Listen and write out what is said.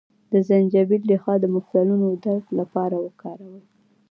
د زنجبیل ریښه د مفصلونو د درد لپاره وکاروئ